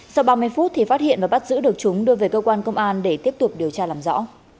sau ba mươi phút thì phát hiện và bắt giữ được chúng đưa về cơ quan công an để tiếp tục điều tra làm rõ